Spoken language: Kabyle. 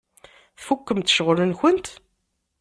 Tfukkemt ccɣel-nkent?